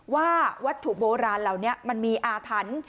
ว่าวัตถุโบราณเหล่านี้มันมีอาทัน